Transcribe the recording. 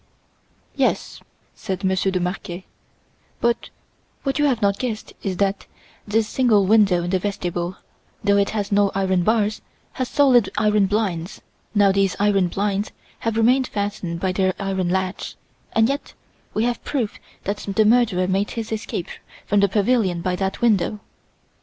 "Yes," said Monsieur de Marquet, "but what you have not guessed is that this single window in the vestibule, though it has no iron bars, has solid iron blinds. Now these iron blinds have remained fastened by their iron latch; and yet we have proof that the murderer made his escape from the pavilion by that window!